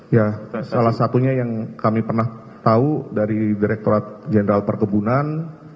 ya salah satunya yang kami pernah tahu dari direkturat jenderal perkebunan